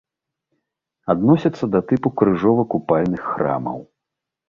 Адносіцца да тыпу крыжова-купальных храмаў.